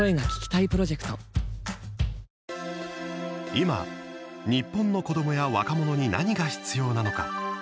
今、日本の子どもや若者に何が必要なのか。